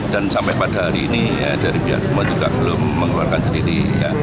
dan sampai pada hari ini dari pihak rumah juga belum mengeluarkan sendiri